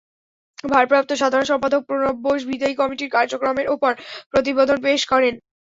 ভারপ্রাপ্ত সাধারণ সম্পাদক প্রণব বোস বিদায়ী কমিটির কার্যক্রমের ওপর প্রতিবেদন পেশ করেন।